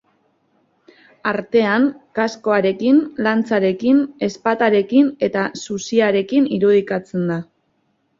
Artean, kaskoarekin, lantzarekin, ezpatarekin eta zuziarekin irudikatzen da.